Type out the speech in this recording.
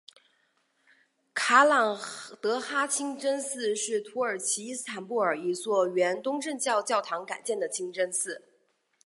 卡朗德哈清真寺是土耳其伊斯坦布尔一座原东正教教堂改建的清真寺。